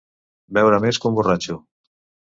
Beure més que un borratxo.